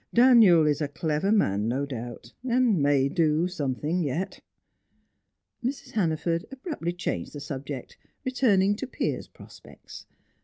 "Daniel is a clever man no doubt, and may do something yet." Mrs. Hannaford abruptly changed the subject, returning to Piers' prospects.